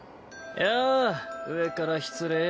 やあ上から失礼。